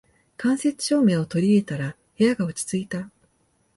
間接照明を取り入れたら部屋が落ち着いた